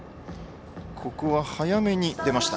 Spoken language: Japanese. ここは早めに出ました。